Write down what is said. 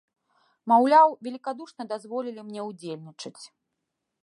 Маўляў, велікадушна дазволілі мне ўдзельнічаць.